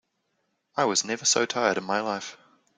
I was never so tired in my life.